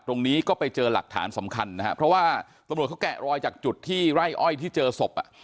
ตรงนี้ก็ไปเจอหลักฐานสำคัญนะฮะเพราะว่าตำรวจเขาแกะรอยจากจุดที่ไร่อ้อยที่เจอศพอ่ะ